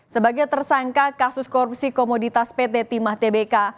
sebagai tersangka kasus korupsi komoditas pt timah tbk